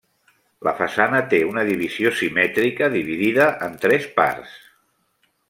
La façana té una divisió simètrica dividida en tres parts.